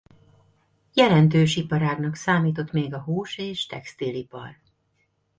Jelentős iparágnak számított még a hús- és textilipar.